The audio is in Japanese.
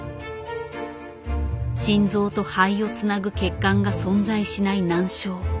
心臓と肺をつなぐ血管が存在しない難症。